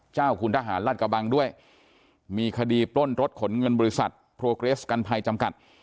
เจ้าคุณทหารราชกระบังด้วยมีคดีปล้นรถขนเงินบริษัทโพเกรสกันภัยจำกัด